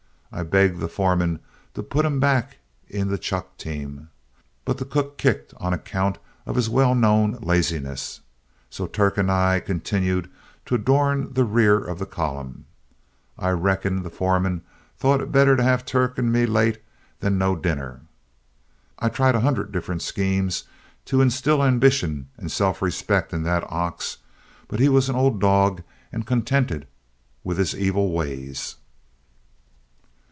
I begged the foreman to put him back in the chuck team, but the cook kicked on account of his well known laziness, so Turk and I continued to adorn the rear of the column. I reckon the foreman thought it better to have Turk and me late than no dinner. I tried a hundred different schemes to instill ambition and self respect into that ox, but he was an old dog and contented with his evil ways.